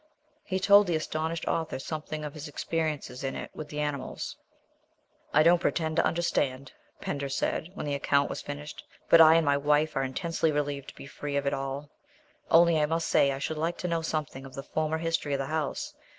He told the astonished author something of his experiences in it with the animals. "I don't pretend to understand," Pender said, when the account was finished, "but I and my wife are intensely relieved to be free of it all. Only I must say I should like to know something of the former history of the house.